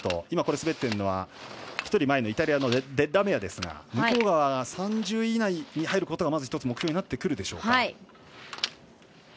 今滑っているのは１人、前のイタリアのデッラメアですが向川が３０位以内に入ることが目標になってくるでしょうか。